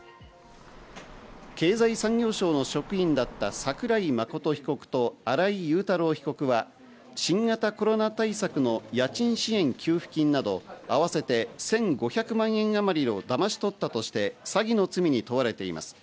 経済産業省の職員だった桜井真被告と新井雄太郎被告は新型コロナ対策の家賃支援給付金などを合わせて１５００万円あまりをだまし取ったとして詐欺の罪に問われています。